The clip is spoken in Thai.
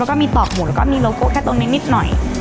แล้วก็มีตอกหมูแล้วก็มีโลโกะแค่ตรงนี้นิดหน่อย